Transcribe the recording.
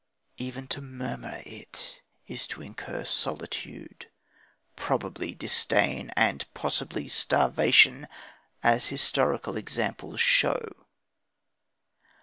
Even to murmur it is to incur solitude, probably disdain, and possibly starvation, as historical examples show.